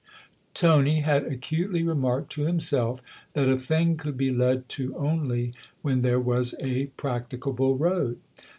Tony had acutely remarked to himself that a thing could be led to only when there was a practi cable road.